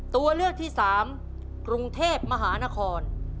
ตัวเลือกที่๓กรุงเทพมหานคร